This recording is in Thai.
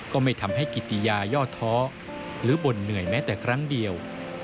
ก็ไม่ทำให้กิติยาย่อท้อหรือบ่นเหนื่อยแม้แต่ครั้งเดียว